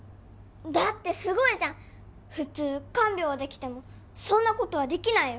だってすごいじゃん普通看病はできてもそんなことはできないよ